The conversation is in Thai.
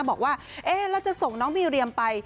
บอกว่าเอ๊ะแล้วจะส่งน้องมีเรียมไป